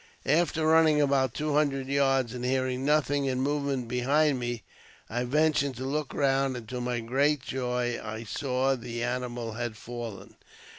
After running about two hundred yards, and hearing nothing in movement behind me, I ventured to look round, and to my great joy, I saw the animal had fallen.